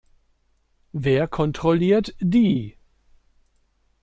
Wer kontrolliert die?